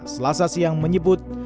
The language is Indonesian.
selasa siang menyebut